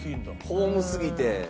ホームすぎて。